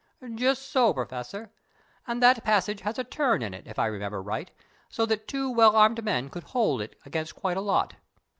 "Just so, Professor, and that passage has a turn in it, if I remember right, so that two well armed men could hold it against quite a lot.